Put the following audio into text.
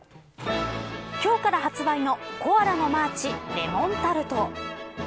今日から発売のコアラのマーチレモンタルト